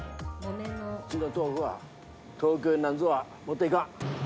うちの豆腐は、東京なんぞには持っていかん。